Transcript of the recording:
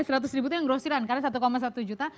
seratus ribu itu yang grosiran karena satu satu juta